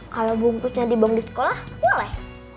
kalau bungkusnya dibom di sekolah boleh